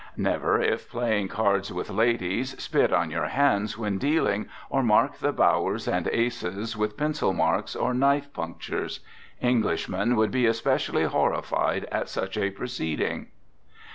Never, if playing cards with ladies, spit on your hands when dealing, or mark the bowers and aces with pencil marks or knife punctures. Englishmen would be especially horrified at such a proceeding.